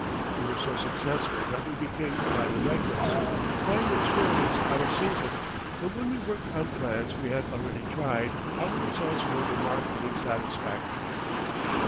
We were so successful that we became rather reckless, trying experiments out of season, but when we worked on plans we had already tried, our results were remarkably satisfactory.